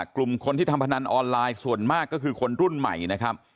กลุ่มคนที่ทำพนันออนไลน์ส่วนมากก็คือคนรุ่นใหม่นะครับ